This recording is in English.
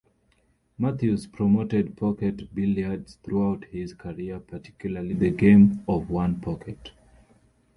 Mathews promoted pocket billiards throughout his career, particularly the game of one-pocket.